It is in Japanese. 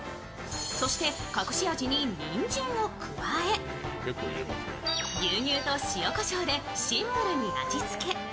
そして隠し味ににんじんを加え、牛乳と塩こしょうでシンプルに味付け。